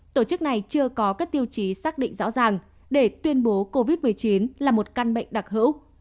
tổ chức này chưa có các tiêu chí xác định rõ ràng để tuyên bố covid một mươi chín là một căn bệnh đặc hữu